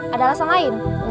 ada rasa lain